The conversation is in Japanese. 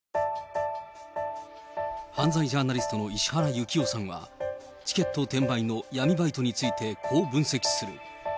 犯罪ジャーナリストの石原行雄さんは、チケット転売の闇バイトについて、こう分析する。